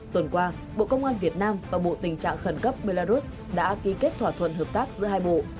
tuần qua bộ công an việt nam và bộ tình trạng khẩn cấp belarus đã ký kết thỏa thuận hợp tác giữa hai bộ